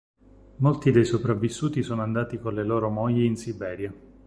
Molti dei sopravvissuti sono andati con le loro mogli in Siberia.